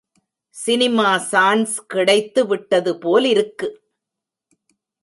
Cinema chance கிடைத்து விட்டது போலிருக்கு.